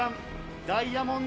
ダイヤモンド